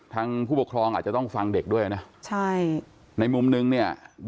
ทางผู้ปกครองอาจจะต้องฟังเด็กด้วยน่ะในมุมหนึ่งดังนี้นี่